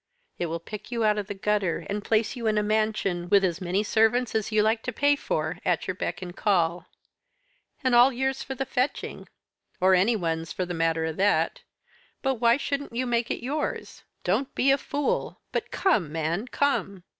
It will pick you out of the gutter, and place you in a mansion, with as many servants as you like to pay for at your beck and call. And all yours for the fetching or anyone's for the matter of that. But why shouldn't you make it yours? Don't be a fool, but come, man, come!'